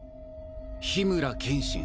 緋村剣心。